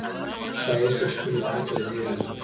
ښایست د ښکلي فکر زېږنده ده